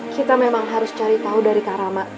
kita memang harus cari tahu dari kak rama